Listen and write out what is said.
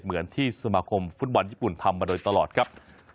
เหมือนที่สมาคมฟุตบอลญี่ปุ่นทำมาโดยตลอดครับ